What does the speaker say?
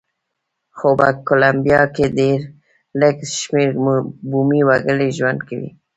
خو په کولمبیا کې ډېر لږ شمېر بومي وګړي ژوند کوي.